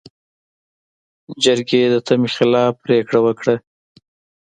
جرګې د تمې خلاف پرېکړه وکړه.